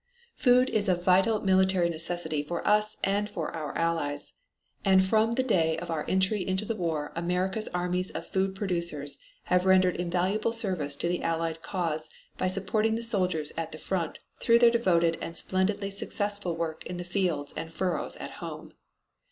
Food is of vital military necessity for us and for our Allies, and from the day of our entry into the war America's armies of food producers have rendered invaluable service to the Allied cause by supporting the soldiers at the front through their devoted and splendidly successful work in the fields and furrows at home.